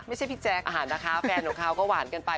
พี่แจ๊กอาหารนะคะแฟนของเขาก็หวานกันไป